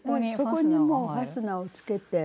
そこにもうファスナーをつけて。